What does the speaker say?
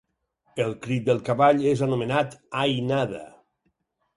El crit del cavall és anomenat "aïnada".